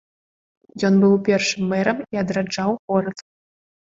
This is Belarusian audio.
Ён быў першым мэрам і адраджаў горад.